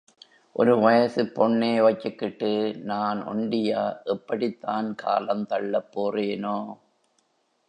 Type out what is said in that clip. ஒரு வயசுப் பொண்ணெ வச்சுக்கிட்டு நான் ஒண்டியா எப்படித்தான் காலந்தள்ளப் போறேனோ?